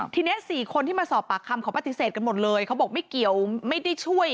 ทีนี้๔คนที่มาสอบปากคำเขาปฏิเสธกันหมดเลยเขาบอกไม่เกี่ยวไม่ได้ช่วย